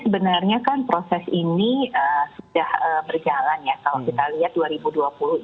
berjalan ya kalau kita lihat dua ribu dua puluh